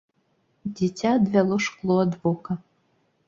Дзіця адвяло шкло ад вока.